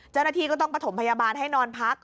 เจ้าหน้าที่ก็ต้องประถมพยาบาลให้นอนพัก